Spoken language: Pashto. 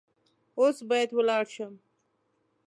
اوس باید ولاړ شم .